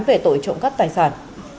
về tội trộm cắt tài sản